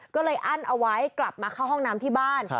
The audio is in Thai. ก็เลยอั้นเอาไว้กลับมาเข้าห้องน้ำที่บ้าน